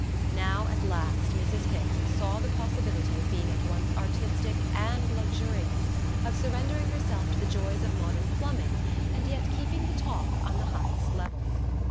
Now at last Mrs. Hicks saw the possibility of being at once artistic and luxurious, of surrendering herself to the joys of modern plumbing and yet keeping the talk on the highest level.